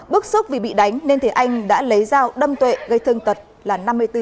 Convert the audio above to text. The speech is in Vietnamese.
bức xúc vì bị đánh nên thế anh đã lấy dao đâm tuệ gây thương tật là năm mươi bốn